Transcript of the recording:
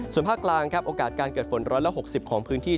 ส่วนภาคกลางครับโอกาสการเกิดฝน๑๖๐ของพื้นที่